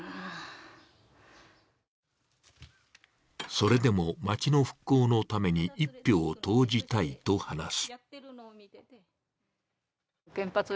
それでも町の復興のために１票を投じたいと話す。